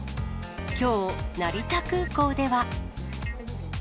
きょう、成田空港では。